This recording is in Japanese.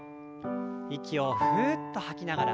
息をふうっと吐きながら。